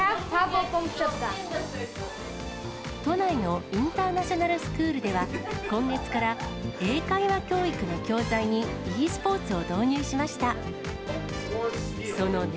都内のインターナショナルスクールでは、今月から英会話教育の教材にｅスポーツを導入しました。